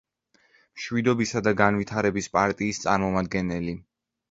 მშვიდობისა და განვითარების პარტიის წარმომადგენელი.